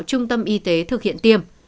trung tâm y tế thực hiện tiêm